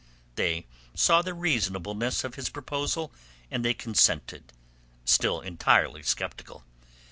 They saw the reasonableness of his proposal, and they consented, still entirely sceptical.